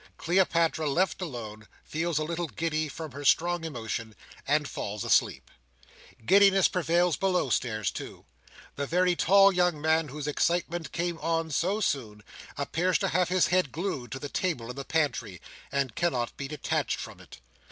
Cleopatra, left alone, feels a little giddy from her strong emotion, and falls asleep. Giddiness prevails below stairs too. The very tall young man whose excitement came on so soon, appears to have his head glued to the table in the pantry, and cannot be detached from it.